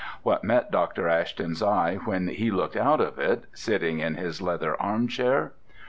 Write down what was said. What met Dr. Ashton's eye when he looked out of it, sitting in his leather arm chair?